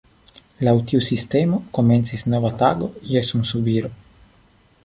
Laŭ tiu sistemo komencis nova tago je sunsubiro.